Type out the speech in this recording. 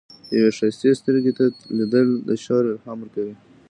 یوې ښایستې سترګې ته لیدل، د شعر الهام ورکوي.